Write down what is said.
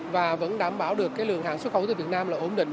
và vẫn đảm bảo được lượng hàng xuất khẩu từ việt nam